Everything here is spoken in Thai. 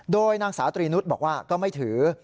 โดยนางสาวตรีนุษย์บอกว่าก็ไม่ถือ